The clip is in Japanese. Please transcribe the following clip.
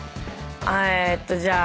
えーっとじゃあ。